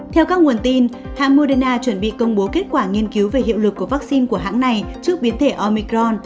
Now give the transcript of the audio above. theo các nguồn tin hãng moderna chuẩn bị công bố kết quả nghiên cứu về hiệu lực của vaccine của hãng này trước biến thể omicron